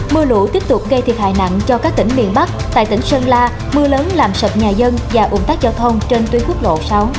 mưa lũ tiếp tục gây thiệt hại nặng cho các tỉnh miền bắc tại tỉnh sơn la mưa lớn làm sập nhà dân và ủng tác giao thông trên tuyến quốc lộ sáu